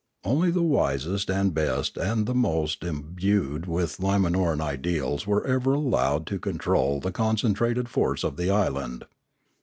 Only the wisest and best and the most im bued with Limanoran ideals were ever allowed to con trol the concentrated force of the island.